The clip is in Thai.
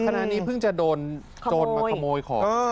ขณะนี้เพิ่งจะโดนโจรมาขโมยของ